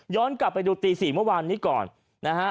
กลับไปดูตี๔เมื่อวานนี้ก่อนนะฮะ